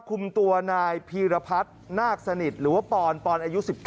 คุมตัวนายพีรพัฒน์นาคสนิทหรือว่าปอนปอนอายุ๑๙